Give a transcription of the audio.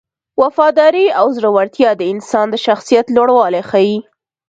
وفاداري او زړورتیا د انسان د شخصیت لوړوالی ښيي.